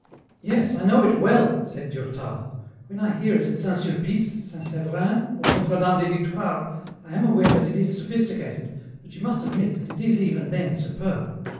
" Yes, I know it well," said Durtal. " When I hear it at St. Sulpice, St. Severin, or Notre Dame des Victoires, X am aware that it is sophisticated, but you must admit 92 EN ROUTE. that it is even then superb.